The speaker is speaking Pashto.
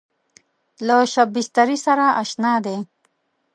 له شبستري سره اشنا دی.